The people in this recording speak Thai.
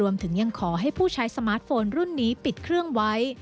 ยังขอให้ผู้ใช้สมาร์ทโฟนรุ่นนี้ปิดเครื่องไว้